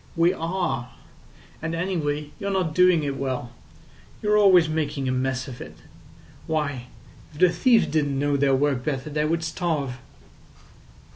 We are. And anyway, you're not doing it well. You're always making a mess of it. Why, if the thieves didn't know their work better they would starve."